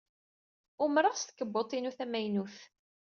Umreɣ s tkebbuḍt-inu tamaynut.